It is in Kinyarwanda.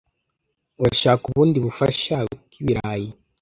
Urashaka ubundi bufasha bwibirayi?